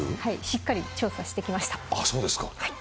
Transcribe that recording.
しっかり調査してきました。